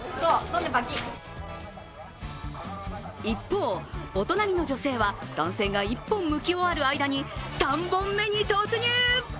一方、お隣の女性は男性が１本むき終わる間に３本目に突入。